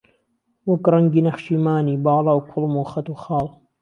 وەک ڕەنگی نەخشی مانی، باڵا و کوڵم و خەت و خاڵ